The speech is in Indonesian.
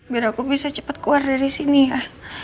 biar aku bisa cepat keluar dari sini ya